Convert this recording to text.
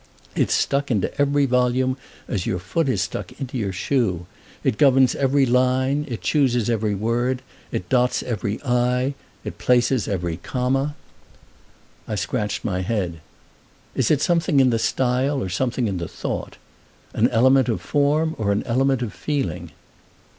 It's stuck into every volume as your foot is stuck into your shoe. It governs every line, it chooses every word, it dots every i, it places every comma." I scratched my head. "Is it something in the style or something in the thought? An element of form or an element of feeling?"